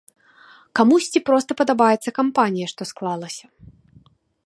Камусьці проста падабаецца кампанія, што склалася.